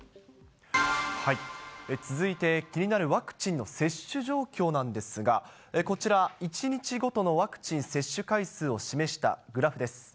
続いて、気になるワクチンの接種状況なんですが、こちら、１日ごとのワクチン接種回数を示したグラフです。